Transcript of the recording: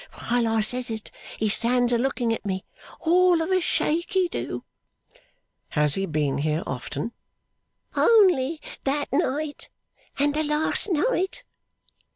While I says it, he stands a looking at me, all of a shake, he do.' 'Has he been here often?' 'Only that night, and the last night.